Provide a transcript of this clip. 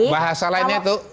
bahasa lainnya itu